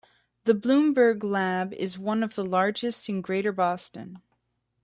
The Bloomberg Lab is one of the largest in Greater Boston.